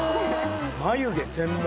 眉毛専門？